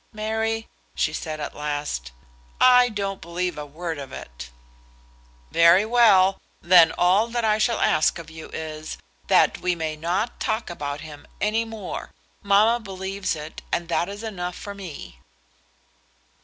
"Mary," she said at last, "I don't believe a word of it." "Very well; then all that I shall ask of you is, that we may not talk about him any more. Mamma believes it, and that is enough for me."